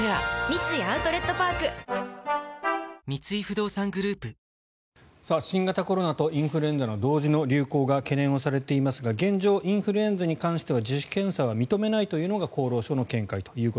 三井アウトレットパーク三井不動産グループ新型コロナとインフルエンザの同時の流行が懸念されていますが現状、インフルエンザに関しては自主検査は認めないというのが厚労省の見解です。